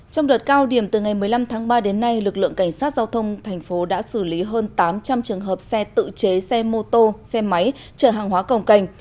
trong đợt cao điểm từ ngày một mươi năm tháng ba đến nay lực lượng cảnh sát giao thông thành phố đã xử lý hơn tám trăm linh trường hợp xe tự chế xe mô tô xe máy chở hàng hóa cồng cành